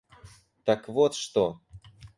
— Так вот что!